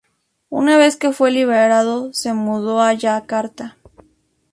Una vez que fue liberado, se mudó a Yakarta.